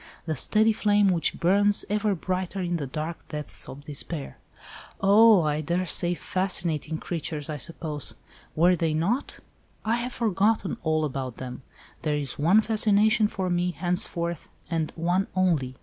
The steady flame which burns even brighter in the dark depths of despair." "Oh! I daresay—fascinating creatures, I suppose—were they not?" "I have forgotten all about them. There is one fascination for me, henceforth, and one only.